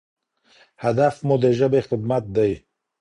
هدف مو د ژبې خدمت دی.